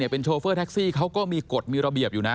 เป็นโชเฟอร์แท็กซี่เขาก็มีกฎมีระเบียบอยู่นะ